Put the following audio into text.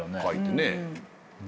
描いてね。